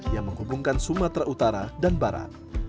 yang menghubungkan sumatera utara dan barat